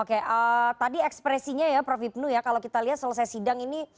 oke tadi ekspresinya ya prof hipnu ya kalau kita lihat selesai sidang ini